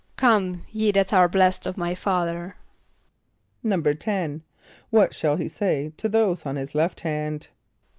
="Come, ye that are blessed of my Father."= =10.= What shall he say to those on his left hand?